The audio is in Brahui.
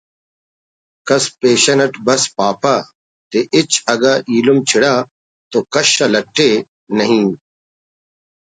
کس پیشن اٹ بس پاپہ تے ہِچ اگہ ایلم چڑا تو کشہ لٹ ءِ“ نعیم